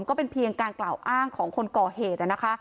ก็เป็นเพียงการกล่าวอ้างของคนก่อเหตุนะคะ